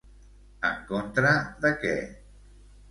En contra de què?